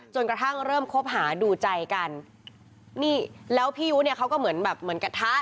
จนกระทั่งเริ่มคบหาดูใจกันนี่แล้วพี่ยุเนี่ยเขาก็เหมือนแบบเหมือนกระทะ